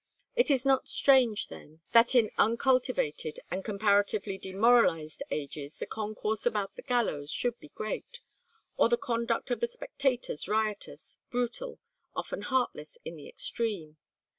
It is not strange, then, that in uncultivated and comparatively demoralized ages the concourse about the gallows should be great, or the conduct of the spectators riotous, brutal, often heartless in the extreme.